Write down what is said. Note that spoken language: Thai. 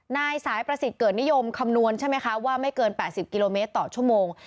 นายสายประสิทธิ์เกิดนิยมคำนวณใช่ไหมคะว่าไม่เกิน๘๐กิโลเมตรต่อชั่วโมง